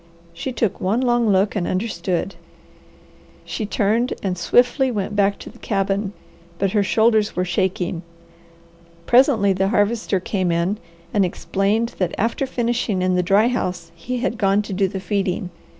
She took one long look and understood. She turned and swiftly went back to the cabin, but her shoulders were shaking. Presently the Harvester came in and explained that after finishing in the dry house he had gone to do the feeding.